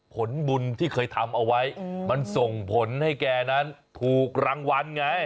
ผลบุญที่เคยทำเอาไว้มันส่งผลให้แกนั้นถูกรางวัลไง